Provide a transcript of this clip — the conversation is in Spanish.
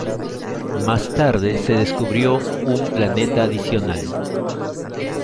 Más tarde se descubrió un planeta adicional.